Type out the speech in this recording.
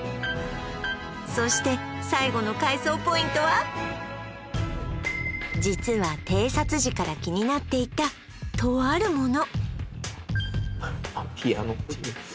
そして最後の改装ポイントは実は偵察時から気になっていたとあるもの